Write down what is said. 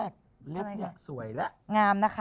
เล็กเนี่ยสวยแล้ว